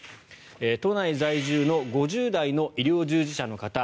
都内在住の５０代の医療従事者の方。